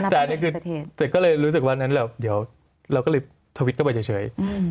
แต่ก็เลยรู้สึกว่าเดี๋ยวเราก็ลืมทวิตเข้าไปเฉย